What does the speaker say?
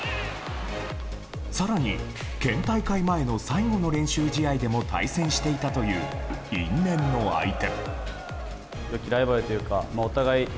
更に、県大会前の最後の練習試合でも対戦していたという因縁の相手。